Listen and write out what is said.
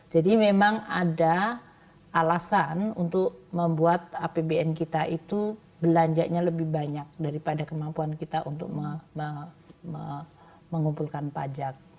jadi memang ada alasan untuk membuat apbn kita itu belanjanya lebih banyak daripada kemampuan kita untuk mengumpulkan pajak